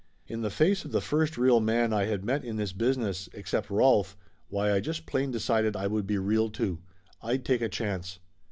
In the face of the first real man I had met in this business, except Rolf, why I just plain decided I would be real too. I'd take a chance.